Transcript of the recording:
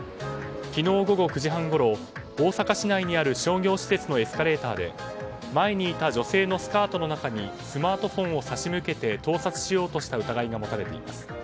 昨日午後９時半ごろ大阪市内にある商業施設のエスカレーターで前にいた女性のスカートの中にスマートフォンを差し向けて盗撮しようとした疑いが持たれています。